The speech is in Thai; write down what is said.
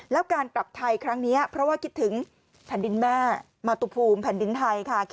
แล้วการกลับไทยครั้งนี้เพราะว่าคิดถึงแผ่นดินแม่มาตุภูมิแผ่นดินไทยค่ะ